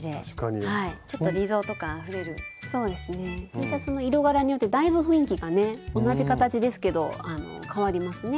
Ｔシャツの色柄によってだいぶ雰囲気がね同じ形ですけどあの変わりますね。